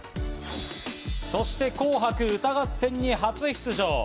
そして『紅白歌合戦』に初出場。